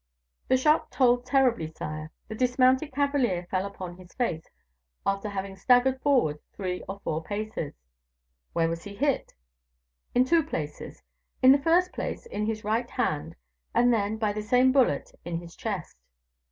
"The shot told terribly, sire; the dismounted cavalier fell upon his face, after having staggered forward three or four paces." "Where was he hit?" "In two places; in the first place, in his right hand, and then, by the same bullet, in his chest."